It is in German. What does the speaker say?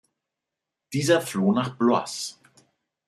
Dieser floh nach Blois.